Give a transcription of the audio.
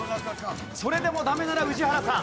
それでもダメなら宇治原さん。